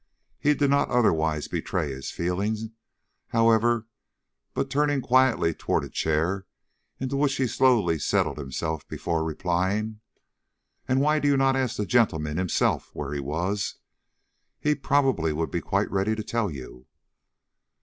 He did not otherwise betray this feeling, however, but turned quite calmly toward a chair, into which he slowly settled himself before replying: "And why do you not ask the gentleman himself where he was? He probably would be quite ready to tell you."